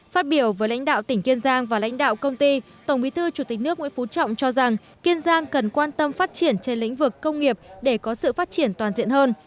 phát biểu với lãnh đạo tỉnh kiên giang và lãnh đạo công ty tổng bí thư chủ tịch nước nguyễn phú trọng cho rằng kiên giang cần quan tâm phát triển trên lĩnh vực công nghiệp để có sự phát triển toàn diện hơn